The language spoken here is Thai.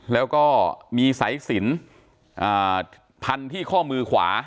แล้วก็มีสายสินพันที่ข้อมือขวา